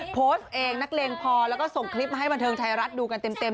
โพสต์เองนักเลงพอแล้วก็ส่งคลิปมาให้บันเทิงไทยรัฐดูกันเต็ม